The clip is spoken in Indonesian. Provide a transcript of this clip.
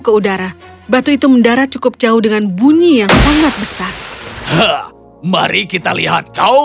ke udara batu itu mendarat cukup jauh dengan bunyi yang sangat besar mari kita lihat kau